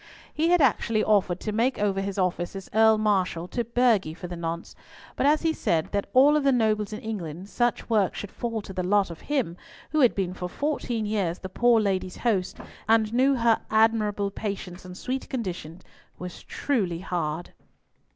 He had actually offered to make over his office as Earl Marshal to Burghley for the nonce, but as he said, "that of all the nobles in England, such work should fall to the lot of him, who had been for fourteen years the poor lady's host, and knew her admirable patience and sweet conditions, was truly hard."